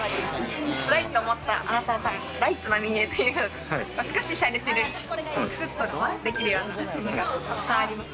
つらいと思ったあなたのためにライトなメニュー、少ししゃれてる、クスっとできるようなものも沢山あります。